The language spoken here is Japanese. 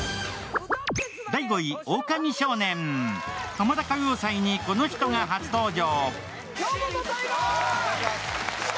「ハマダ歌謡祭」にこの人が初登場。